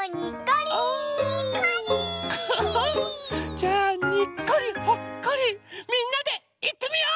じゃあ「にっこりほっこり」みんなでいってみよう！